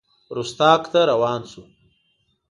رُستاق ته روان شو.